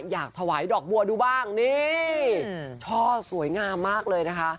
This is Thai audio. อยากถวายดอกบัวดูบ้างนี่ช่อสวยงามมากเลยนะคะ